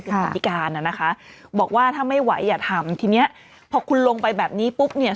กรรมธิการน่ะนะคะบอกว่าถ้าไม่ไหวอย่าทำทีเนี้ยพอคุณลงไปแบบนี้ปุ๊บเนี่ย